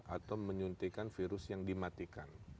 atau menyuntikan virus yang dimatikan